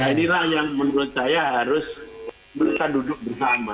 nah inilah yang menurut saya harus berusaha duduk bersama